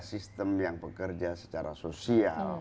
sistem yang bekerja secara sosial